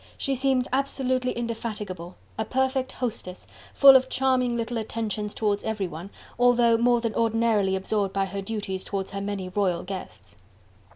She seemed absolutely indefatigable; a perfect hostess, full of charming little attentions towards every one, although more than ordinarily absorbed by her duties towards her many royal guests.